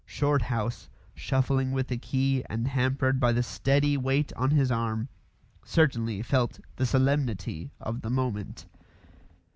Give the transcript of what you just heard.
Shorthouse, shuffling with the key and hampered by the steady weight on his arm, certainly felt the solemnity of the moment.